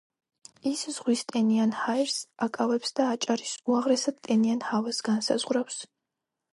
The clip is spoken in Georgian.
ის ზღვის ტენიან ჰაერს აკავებს და აჭარის უაღრესად ტენიან ჰავას განსაზღვრავს.